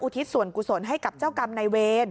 ทิศส่วนกุศลให้กับเจ้ากรรมนายเวร